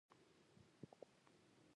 دی به له افغانانو سره جنګیږي.